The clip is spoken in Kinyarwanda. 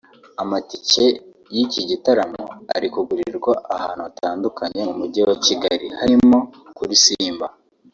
Amatike y’iki gitaramo ari kugurirwa ahantu hatandukanye mu Mujyi wa Kigali harimo kuri Simba